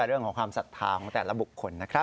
เรื่องของความศรัทธาของแต่ละบุคคลนะครับ